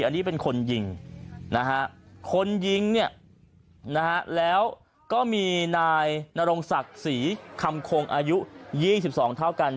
อันนี้เป็นคนยิงนะฮะคนยิงเนี่ยนะฮะแล้วก็มีนายนรงศักดิ์ศรีคำคงอายุ๒๒เท่ากัน